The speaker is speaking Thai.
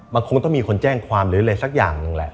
มันคงต้องมีคนแจ้งความหรืออะไรสักอย่างหนึ่งแหละ